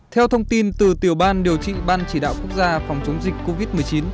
theo thông tin từ tiểu ban điều trị ban chỉ đạo quốc gia phòng chống dịch covid một mươi chín